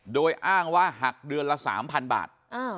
โดยอ้างว่าหักเดือนละ๓๐๐บาท